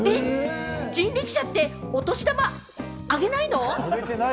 人力舎ってお年玉あげないの？